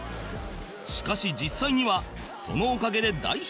しかし実際にはそのおかげで大ヒット